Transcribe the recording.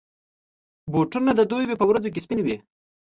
بوټونه د دوبي پر ورځو کې سپین وي.